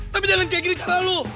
tapi jangan kayak gini karena lo